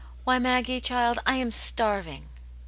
Why Maggie, JL child, I am starving."